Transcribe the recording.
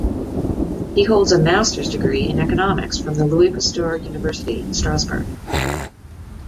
He holds a Master’s Degree in Economics from the Louis-Pasteur University, Strasburg.